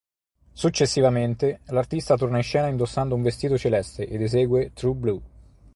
Successivamente, l'artista torna in scena indossando un vestito celeste ed esegue "True Blue".